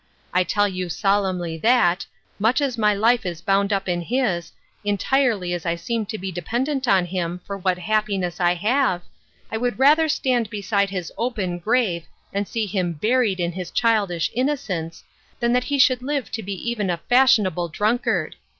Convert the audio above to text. I tell you solemnly that, much as my life is bound up in his, entirely as I seem to be depend ent on him for what happiness I have, I would rather stand beside his open grave, and see him buried in his childish innocence, than that he should live to be even a fashionable drunkard.